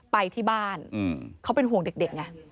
ไปที่บ้านเขาเป็นห่วงเด็กไง